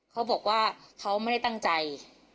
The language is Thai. เขาบอกว่าเขาไม่ได้ตั้งใจ